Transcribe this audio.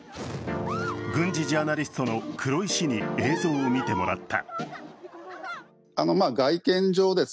軍事ジャーナリストの黒井氏に映像を見てもらった。